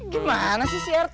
gimana sih crt